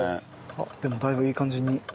あっでもだいぶいい感じに。